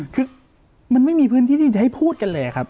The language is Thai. คือมันไม่มีพื้นที่ที่จะให้พูดกันเลยครับ